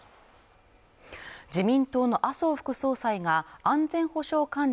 自民党の麻生副総裁が安全保障関連